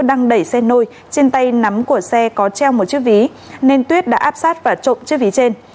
đang đẩy xe nôi trên tay nắm của xe có treo một chiếc ví nên tuyết đã áp sát và trộm chiếc ví trên